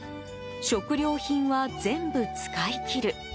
食料品は全部使い切る。